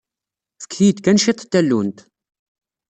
Fket-iyi-d kan cwiṭ n tallunt.